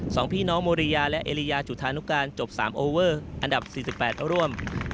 สองพี่น้องโมริยาและเอลิยาจุธานุกาลจบ๓โอเวอร์อันดับ๔๘ร่วม